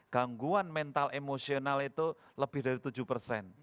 gangguan mental emosional itu lebih dari tujuh persen